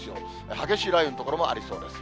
激しい雷雨の所もありそうです。